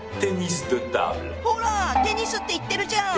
ほらテニスって言ってるじゃん。